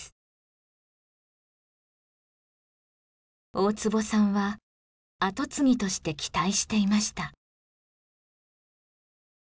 大坪さんは跡継ぎとして期待していました。